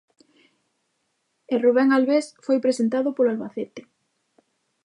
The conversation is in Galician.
E Rubén Albés foi presentado polo Albacete.